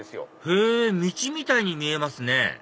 へぇ道みたいに見えますね